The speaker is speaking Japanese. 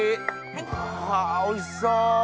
あおいしそう！